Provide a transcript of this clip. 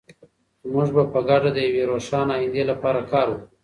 موږ به په ګډه د یوې روښانه ایندې لپاره کار وکړو.